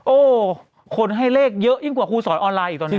โอ้คนให้เลขเยอะยิ่งกว่าครูสอนออนไลน์อีกตอนนี้